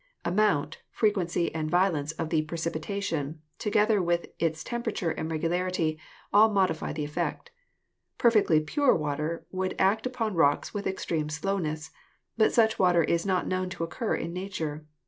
Amount, frequency and violence of the precipitation, to gether with its temperature and regularity, all modify the effect. Perfectly pure water would act upon rocks with extremet slowness, but such water is not known to occur in nature.